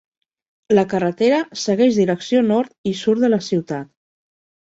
La carretera segueix direcció nord i surt de la ciutat.